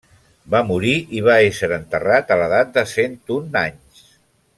Va morir i hi va ésser enterrat a l'edat de cent un anys.